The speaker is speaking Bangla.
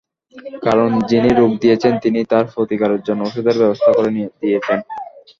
কারণ, যিনি রোগ দিয়েছেন, তিনি তার প্রতিকারের জন্য ওষুধের ব্যবস্থা করে দিয়েছেন।